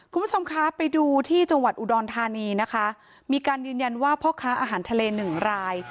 คุณผู้ชมคะไปดูที่จังหวัดอุดรธานีนะคะมีการยืนยันว่าพ่อค้าอาหารทะเลหนึ่งราย